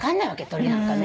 鳥なんかね。